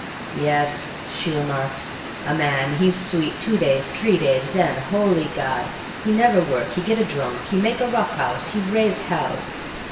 "Yes," she remarked, "a man, he's sweet two days, t'ree days, then — holy God! he never work, he git a drunk, he make a rough house, he raise hell."